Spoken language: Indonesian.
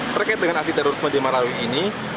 terkait dengan aksi terorisme di marawi ini